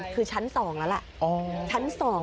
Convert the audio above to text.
คือชั้น๒อ่ะละ